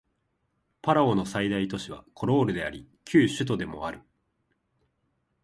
パラオの最大都市はコロールであり旧首都でもある